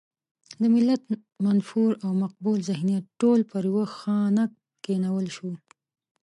د ملت منفور او مقبول ذهنیت ټول پر يوه خانک کېنول شو.